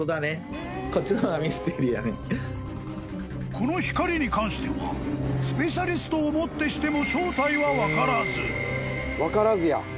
［この光に関してはスペシャリストをもってしても］